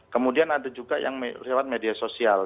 kemudian ada juga yang lewat media sosial